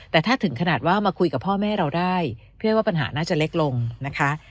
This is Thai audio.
แต่ถ้าถึงขนาดว่ามาคุยกับพ่อแม่เราได้เพื่อว่าปัญหาน่าจะเล็กลงนะคะ